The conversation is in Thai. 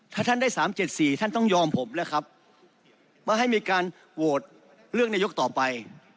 ถ้าท่านได้๓๗๔ท่านต้องยอมผมแล้วครับว่าให้มีการโหวตเลือกนายกต่อไป